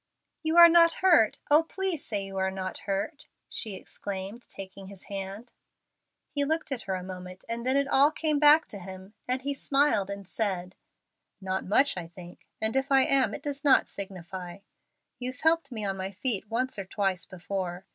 "You are not hurt. Oh, please say you are not hurt!" she exclaimed, taking his hand. He looked at her a moment, and then it all came back to him, and he smiled and said, "Not much, I think; and if I am it does not signify. You've helped me on my feet once or twice before.